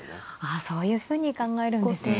ああそういうふうに考えるんですね。